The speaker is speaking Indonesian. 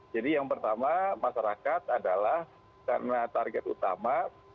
jadi yang pertama masyarakat adalah karena target utama